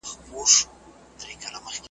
څوک په سره اهاړ کي تندي وه وژلي .